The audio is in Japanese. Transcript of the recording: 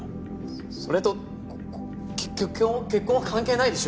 それとけ結婚は関係ないでしょ。